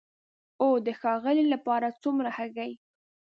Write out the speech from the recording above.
او د ښاغلي لپاره څومره هګۍ؟